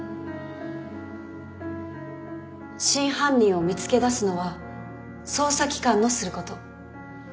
真犯人を見つけ出すのは捜査機関のすること。